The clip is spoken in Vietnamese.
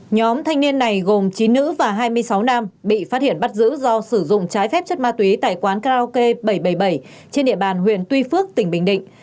nhóm thanh niên này gồm chín nữ và hai mươi sáu nam bị phát hiện bắt giữ do sử dụng trái phép chất ma túy tại quán karaoke bảy trăm bảy mươi bảy trên địa bàn huyện tuy phước tỉnh bình định